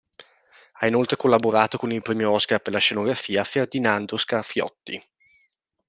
Ha inoltre collaborato con il Premio Oscar per la scenografia Ferdinando Scarfiotti.